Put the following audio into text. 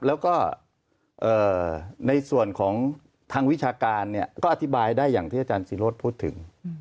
แล้วก็ในส่วนของทางวิชาการเนี่ยก็อธิบายได้อย่างที่อาจารย์ศิโรธพูดถึง